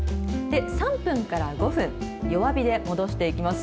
３分から５分、弱火で戻していきます。